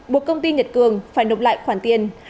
buộc công ty nhật cường phải nộp lại khoản tiền